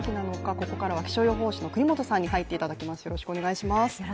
ここからは気象予報士の國本さんに入っていただきます。